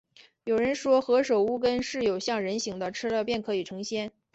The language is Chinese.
有人说，何首乌根是有像人形的，吃了便可以成仙